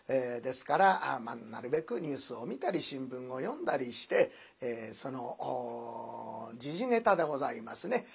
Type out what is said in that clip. ですからなるべくニュースを見たり新聞を読んだりしてその時事ネタでございますね。